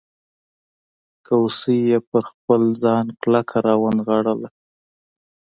کوسۍ یې پر خپل ځان کلکه راونغاړله.